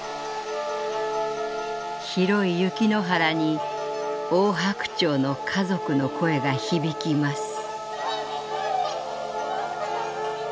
広い雪の原にオオハクチョウの家族の声が響きます」。